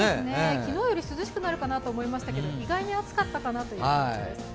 昨日より涼しくなるかと思いましたけど意外と暑かったという感じです。